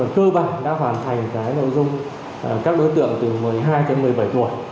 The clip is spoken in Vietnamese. cơ bản đã hoàn thành nội dung các đối tượng từ một mươi hai đến một mươi bảy tuổi